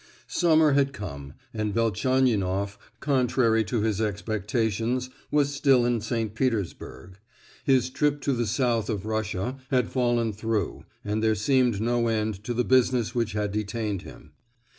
Summer had come, and Velchaninoff, contrary to his expectations, was still in St. Petersburg. His trip to the south of Russia had fallen through, and there seemed no end to the business which had detained him.